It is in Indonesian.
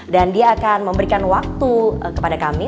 dan dia akan memberikan waktu kepada kami